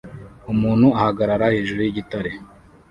Umuntu ahagarara hejuru yigitare